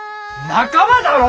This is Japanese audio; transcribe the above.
仲間だろ？